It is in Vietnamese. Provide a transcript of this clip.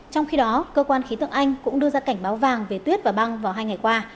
trong khi đó cơ quan khí tượng anh cũng đưa ra cảnh báo vàng về tuyết và băng vào hai ngày qua